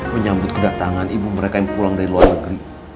menyambut kedatangan ibu mereka yang pulang dari luar negeri